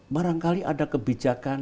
barangkali ada kebijakan